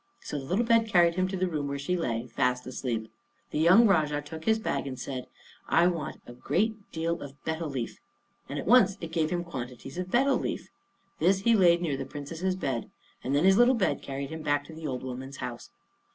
So the little bed carried him to the room where she lay fast asleep. The young Rajah took his bag and said, "I want a great deal of betel leaf," and it at once gave him quantities of betel leaf. This he laid near the Princess's bed, and then his little bed carried him back to the old woman's house.